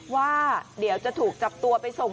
ว่าเดี๋ยวจะถูกจับตัวไปส่ง